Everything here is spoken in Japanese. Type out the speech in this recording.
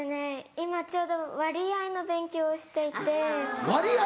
今ちょうど割合の勉強をしていて。割合？